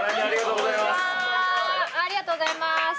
ありがとうございます。